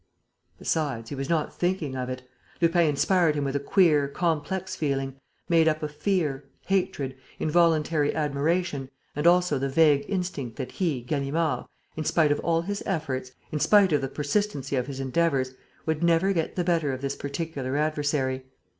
Besides, he was not thinking of it. Lupin inspired him with a queer, complex feeling, made up of fear, hatred, involuntary admiration and also the vague instinct that he, Ganimard, in spite of all his efforts, in spite of the persistency of his endeavours, would never get the better of this particular adversary.